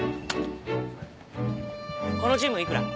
このチーム幾ら？